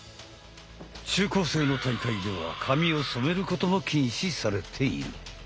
中高生の大会では髪を染めることも禁止されている。